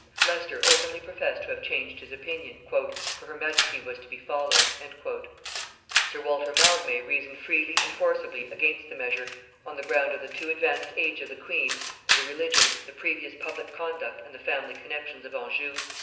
Leicester openly professed to have changed his opinion, "for her majesty was to be followed." Sir Walter Mildmay reasoned freely and forcibly against the measure, on the ground of the too advanced age of the queen, and the religion, the previous public conduct and the family connexions of Anjou.